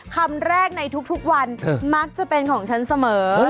คำแรกในทุกวันมักจะเป็นของฉันเสมอ